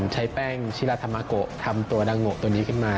ใช้แป้งชิลาธรรมาโกะทำตัวดังโง่ตัวนี้ขึ้นมา